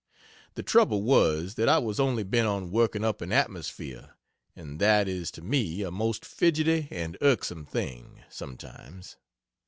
The trouble was, that I was only bent on "working up an atmosphere" and that is to me a most fidgety and irksome thing, sometimes.